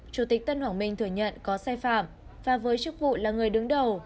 chủ tịch tân hoàng minh thừa nhận có sai phạm và với chức vụ là người đứng đầu